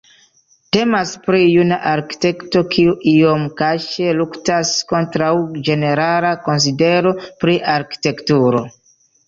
Temas pri juna arkitekto kiu iom kaŝe luktas kontraŭ ĝenerala konsidero pri arkitekturo.